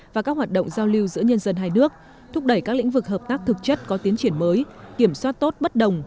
và các hoạt động giao lưu giữa nhân dân hai nước thúc đẩy các lĩnh vực hợp tác thực chất có tiến triển mới kiểm soát tốt bất đồng